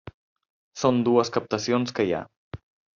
Són dues captacions que hi ha.